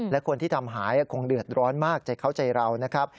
และคนที่ทำหายคงเดือดร้อนมากใจเขาใจเรานะครับ